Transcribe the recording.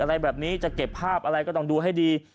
อะไรแบบนี้จะเก็บภาพอะไรก็ต้องดูให้ดี